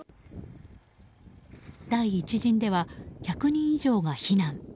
第１陣では１００人以上が避難。